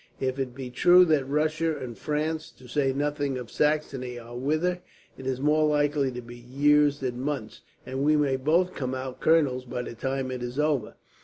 "If it be true that Russia and France, to say nothing of Saxony, are with her, it is more likely to be years than months, and we may both come out colonels by the time it is over."